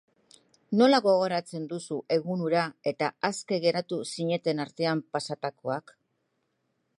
Nola gogoratzen duzu egun hura eta aske geratu zineten artean pasatakoak?